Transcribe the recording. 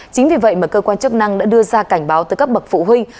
chính vì vậy mà cơ quan chức năng đã đưa ra cảnh báo tới các bậc phụ huynh